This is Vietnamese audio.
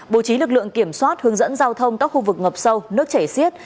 bố trí lực lượng kiểm soát hướng dẫn giao thông các khu vực ngập sâu nước chảy xiết